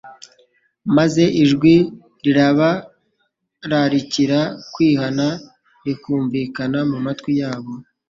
Maze ijwi ribararikira kwihana rikumvikana mu matwi yabo.